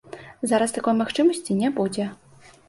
Зараз такой магчымасці не будзе.